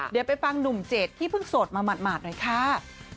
เดี๋ยวไปฟังหนุ่มเจ็ดที่เพิ่งโสดมาหมาดหน่อยค่ะ